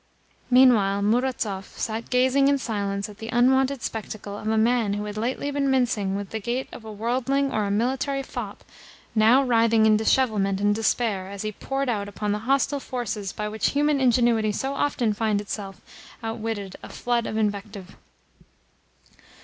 Meanwhile Murazov sat gazing in silence at the unwonted spectacle of a man who had lately been mincing with the gait of a worldling or a military fop now writhing in dishevelment and despair as he poured out upon the hostile forces by which human ingenuity so often finds itself outwitted a flood of invective.